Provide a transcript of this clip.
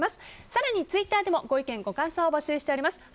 更にツイッターでもご意見、ご感想を募集しています。